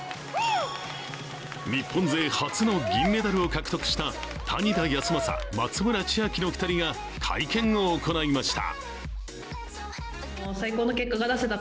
日本勢初の銀メダルを獲得した谷田康真・松村千秋の２人が会見を行いました。